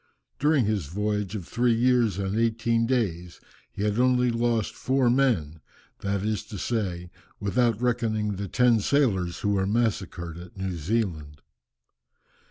During his voyage of three years and eighteen days, he had only lost four men, that is to say, without reckoning the ten sailors who were massacred at New Zealand.